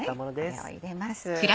これを入れます。